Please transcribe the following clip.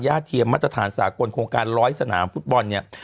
เทียมมาตรฐานสากลโครงการร้อยสนามฟุตบอลเนี่ย